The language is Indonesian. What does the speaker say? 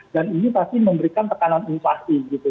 dan ini pasti memberikan tekanan inflasi gitu